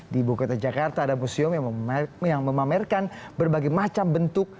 di buku kota jakarta ada museum yang memamerkan berbagai macam bentuk